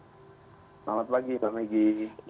selamat pagi pak maggie